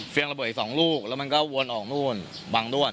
ระเบิดอีก๒ลูกแล้วมันก็วนออกนู่นบางด้วน